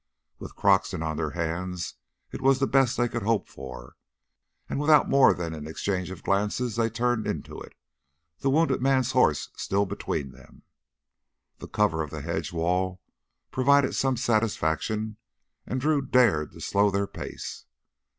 With Croxton on their hands it was the best they could hope for, and without more than an exchange of glances they turned into it, the wounded man's horse still between them. The cover of the hedge wall provided some satisfaction and Drew dared to slow their pace.